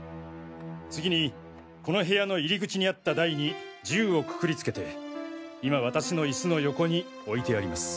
次にこの部屋の入り口にあった台に銃をくくりつけて今私のイスの横に置いてあります。